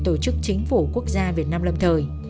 tổ chức chính phủ quốc gia việt nam lâm thời